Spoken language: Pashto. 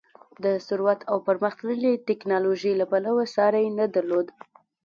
د ثروت او پرمختللې ټکنالوژۍ له پلوه ساری نه درلود.